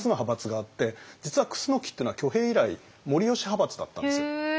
実は楠木っていうのは挙兵以来護良派閥だったんですよ。